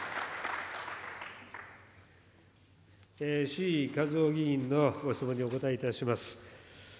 志位和夫議員のご質問にお答えいたします。